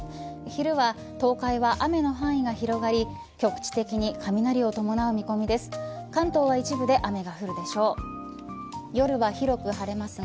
昼は東海は雨の範囲が広がり局地的に雷を伴う見込みです。